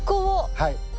はい。